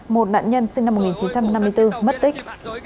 một nạn nhân sinh năm một nghìn chín trăm năm mươi bốn mất tích